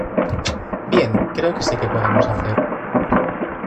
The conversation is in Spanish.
Bien, creo que sé qué podemos hacer.